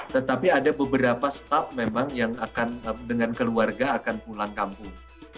tetapi ada beberapa staff memang yang akan dengan keluarga akan pulang kampung